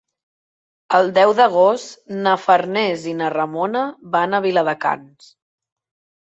El deu d'agost na Farners i na Ramona van a Viladecans.